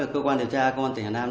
cơ quan điều tra công an phường hà nam